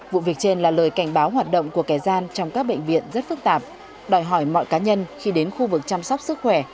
vụ việc trên là lời cảnh báo hoạt động của kẻ gian trong các bệnh viện rất phức tạp đòi hỏi mọi cá nhân khi đến khu vực chăm sóc sức khỏe